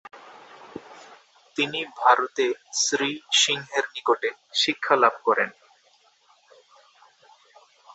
তিনি ভারতে শ্রী সিংহের নিকটে শিক্ষা লাভ করেন।